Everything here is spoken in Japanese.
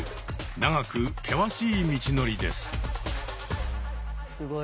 長く険しい道のりです。